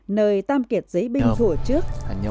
nơi tam kiệt giấy binh thủ trước